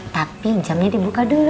tapi jamnya dibuka dulu